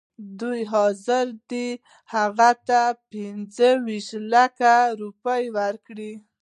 دوی حاضر دي هغه ته پنځه ویشت لکه روپۍ ورکړي.